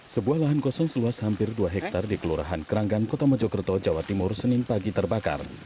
sebuah lahan kosong seluas hampir dua hektare di kelurahan keranggan kota mojokerto jawa timur senin pagi terbakar